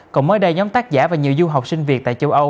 còn mới đây nhóm tác giả và nhiều du học sinh việt tại châu âu